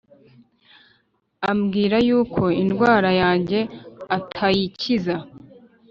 ambwira yuko indwara yanjye atayikiza